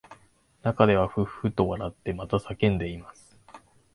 中ではふっふっと笑ってまた叫んでいます